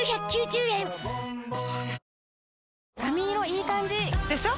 髪色いい感じ！でしょ？